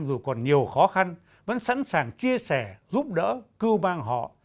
dù còn nhiều khó khăn vẫn sẵn sàng chia sẻ giúp đỡ cưu mang họ